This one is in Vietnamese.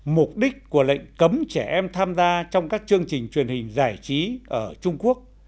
mục đích của lệnh cấm trẻ em tham gia trong các chương trình truyền hình giải trí ở trung quốc